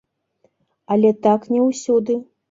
Але так не ўсюды.